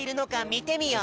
みてみよう。